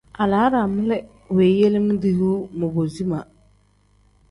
Alaraami li weeyele modoyuu mobo zimaa.